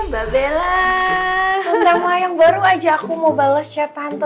tante tuh baru aja aku mau bales chat tante